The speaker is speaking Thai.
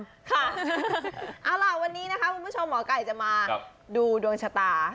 เอาล่ะวันนี้นะคะคุณผู้ชมหมอไก่จะมาดูดวงชะตา